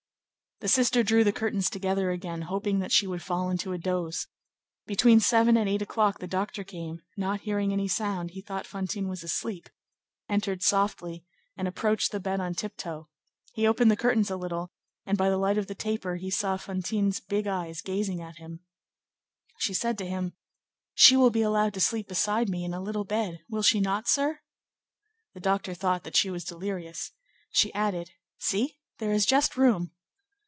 The sister drew the curtains together again, hoping that she would fall into a doze. Between seven and eight o'clock the doctor came; not hearing any sound, he thought Fantine was asleep, entered softly, and approached the bed on tiptoe; he opened the curtains a little, and, by the light of the taper, he saw Fantine's big eyes gazing at him. She said to him, "She will be allowed to sleep beside me in a little bed, will she not, sir?" The doctor thought that she was delirious. She added:— "See! there is just room."